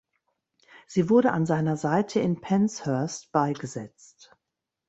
Sie wurde an seiner Seite in Penshurst beigesetzt.